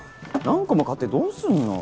何個も買ってどうすんの？